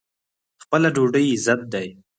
خپله ډوډۍ عزت دی.